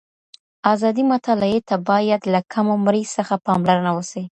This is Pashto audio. آزادې مطالعې ته باید له کم عمرۍ څخه پاملرنه وسي.